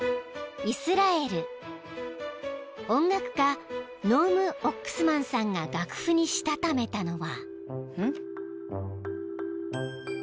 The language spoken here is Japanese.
［音楽家ノーム・オックスマンさんが楽譜にしたためたのは］